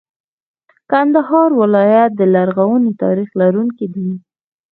کندهار ولایت د لرغوني تاریخ لرونکی دی.